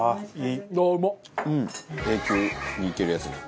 永久にいけるやつだ。